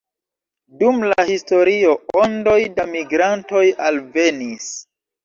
Dum la historio ondoj da migrantoj alvenis.